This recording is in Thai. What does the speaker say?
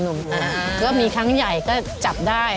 ก็มีครั้งใหญ่ก็จับได้